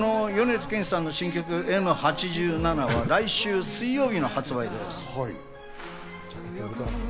米津玄師さんの新曲『Ｍ八七』は来週水曜日発売です。